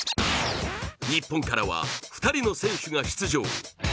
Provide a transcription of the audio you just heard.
日本からは２人の選手が出場。